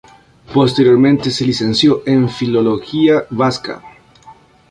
Posteriormente se licenció en Filología Vasca.